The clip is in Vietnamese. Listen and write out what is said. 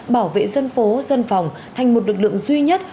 bảo vệ dân phố dân phòng thành một lực lượng duy nhất